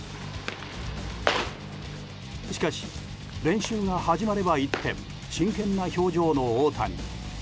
しかし、練習が始まれば一転真剣な表情の大谷。